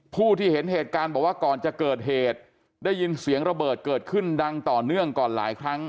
ผู้ที่เห็นเหตุการณ์บอกว่าก่อนจะเกิดเหตุได้ยินเสียงระเบิดเกิดขึ้นดังต่อเนื่องก่อนหลายครั้ง